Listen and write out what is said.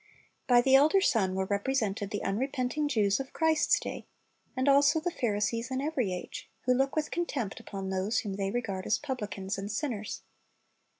By the elder son were represented the unrepenting Jews of Christ's day, and also the Pharisees in every age, who look with contempt upon those whom they regard as publicans and sinners.